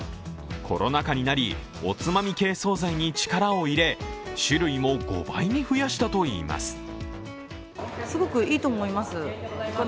コロナ禍になり、おつまみ系総菜に力を入れ種類も５倍に増やしたといいます。